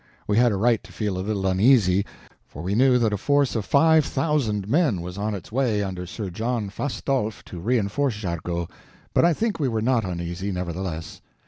We had a right to feel a little uneasy, for we knew that a force of five thousand men was on its way under Sir John Fastolfe to reinforce Jargeau, but I think we were not uneasy, nevertheless.